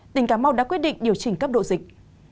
tỉnh cà mau đã quyết định điều chỉnh cấp độ dịch